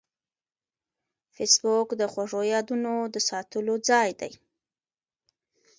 فېسبوک د خوږو یادونو د ساتلو ځای دی